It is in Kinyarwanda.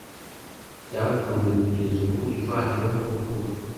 ryavuguruwe kugeza ubu ivanyweho vuba